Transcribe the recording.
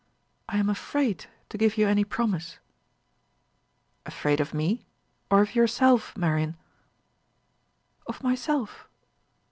I am afraid to give you any promise." "Afraid of me, or of yourself, Marian?" "Of myself."